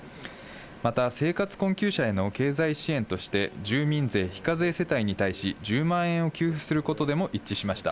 また、生活困窮者への経済支援として、住民税非課税世帯に対し、１０万円を給付することでも一致しました。